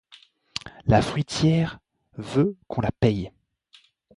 La fruitière veut qu’on la paye.